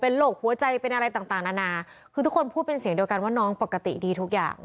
โรคหัวใจเป็นอะไรต่างนานาคือทุกคนพูดเป็นเสียงเดียวกันว่าน้องปกติดีทุกอย่าง